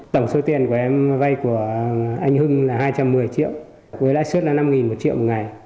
tổng số tiền của em vay của anh hưng là hai trăm một mươi triệu với lãi suất là năm một triệu một ngày